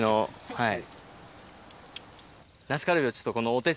はい。